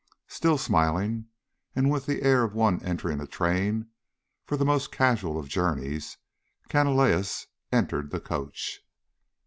Still smiling, and with the air of one entering a train for the most casual of journeys, Canalejas entered the coach.